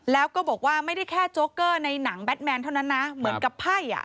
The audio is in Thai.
แล้วก็บอกว่าไม่ได้แค่โจ๊กเกอร์ในหนังแบทแมนเท่านั้นนะเหมือนกับไพ่อ่ะ